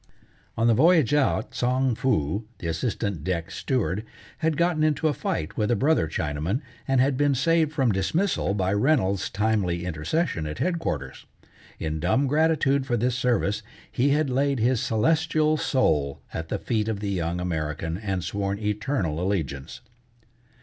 On the voyage out, Tsang Foo, the assistant deck steward, had gotten into a fight with a brother Chinaman, and had been saved from dismissal by Reynolds's timely intercession at headquarters. In dumb gratitude for this service, he had laid his celestial soul at the feet of the young American and sworn eternal allegiance.